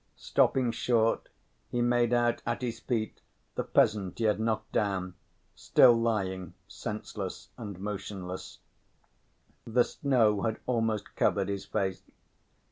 Stopping short, he made out at his feet the peasant he had knocked down, still lying senseless and motionless. The snow had almost covered his face.